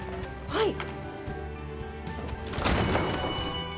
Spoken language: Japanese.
はい！